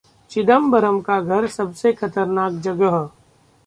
‘चिदंबरम का घर सबसे खतरनाक जगह’